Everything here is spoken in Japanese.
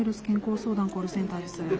健康相談コールセンターです。